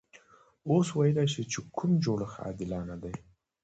اوس ویلای شو چې کوم جوړښت عادلانه دی.